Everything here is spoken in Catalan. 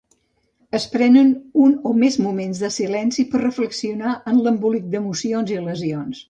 Es prenen un o més moments de silenci per reflexionar en l'embolic d'emocions i lesions.